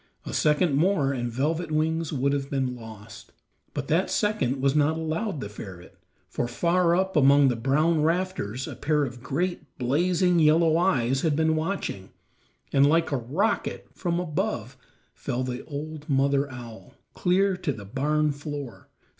A second more and Velvet Wings would have been lost, but that second was not allowed the ferret; for far up among the brown rafters a pair of great, blazing yellow eyes had been watching, and like a rocket from above fell the old mother owl, clear to the barn floor.